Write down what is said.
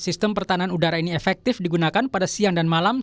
sistem pertahanan udara ini efektif digunakan pada siang dan malam